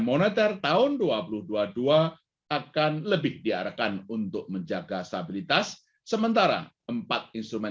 moneter tahun dua ribu dua puluh dua akan lebih diarahkan untuk menjaga stabilitas sementara empat instrumen